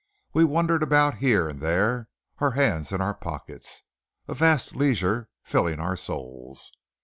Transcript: We wandered about here and there, our hands in our pockets, a vast leisure filling our souls.